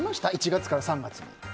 １月から３月に。